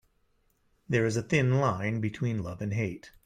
There is a thin line between love and hate.